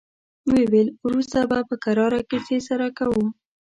ويې ويل: وروسته به په کراره کيسې سره کوو.